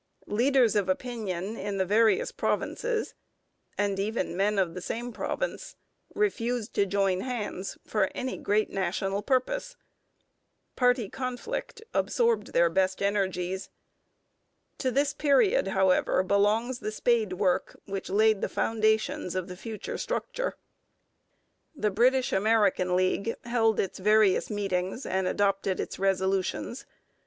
Leaders of opinion in the various provinces, and even men of the same province, refused to join hands for any great national purpose. Party conflict absorbed their best energies. To this period, however, belongs the spadework which laid the foundations of the future structure. The British American League held its various meetings and adopted its resolutions.